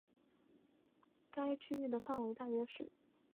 该区域的范围大约是。